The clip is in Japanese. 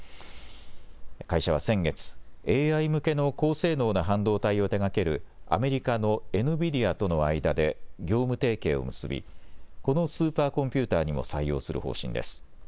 会社は先月、ＡＩ向けの高性能な半導体を手がけるアメリカのエヌビディアとの間で業務提携を結びこのスーパーコンピューターにも採用する方針です。